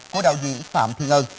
của đạo diễn phạm thiên ân